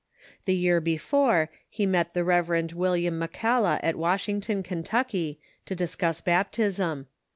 The year before, he met the Rev. William McCalla at Washington, Kentuck}^ to discuss baptism.